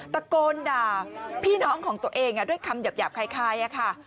ตะโกนด่าพี่น้องของตัวเองด้วยคำหยาบคล้ายค่ะ